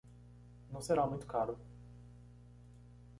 Não será muito caro.